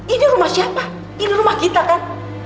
ini rumah siapa ini rumah kita kan